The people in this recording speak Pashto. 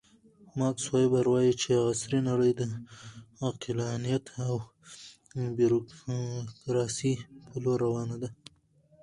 ماکس ویبر وایي چې عصري نړۍ د عقلانیت او بیروکراسۍ په لور روانه ده.